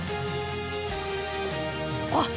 あっ！